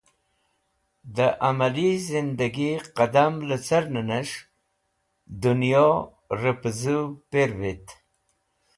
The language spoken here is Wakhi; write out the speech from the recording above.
De Amali Zindagi Qadam licern nes̃h Dunyo repuzuv pirvit